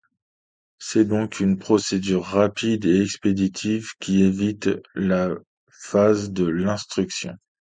C'est donc une procédure rapide et expéditive qui évite la phase de l'instruction.